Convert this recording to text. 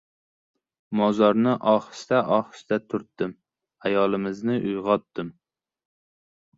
Mozorni ohista-ohista turtdim — ayolimizni uyg‘otdim...